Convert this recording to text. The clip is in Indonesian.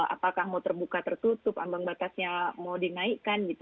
apakah mau terbuka tertutup ambang batasnya mau dinaikkan gitu